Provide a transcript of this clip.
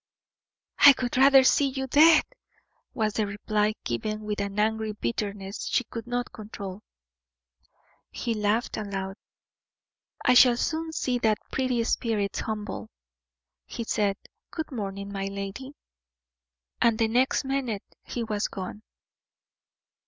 "I would rather see you dead!" was the reply, given with an angry bitterness she could not control. He laughed aloud. "I shall soon see that pretty spirit humbled," he said. "Good morning, my lady." And the next minute he was gone.